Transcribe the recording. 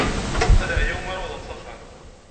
Ad ɛyuɣ mi ara awḍeɣ s axxam.